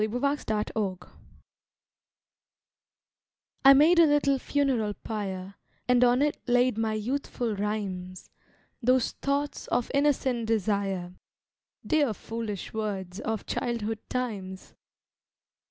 OLD VERSES I made a little funeral pyre, And on it laid my youthful rhymes, Those thoughts of innocent desire, Dear foolish words of childhood times.